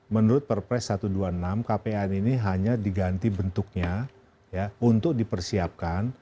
menurut perpres satu ratus dua puluh enam kpn ini hanya diganti bentuknya untuk dipersiapkan